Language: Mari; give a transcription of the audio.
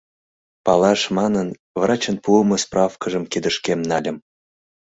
Палаш манын, врачын пуымо справкыжым кидышкем нальым.